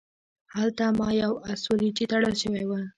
هلته ما یو آس ولید چې تړل شوی و.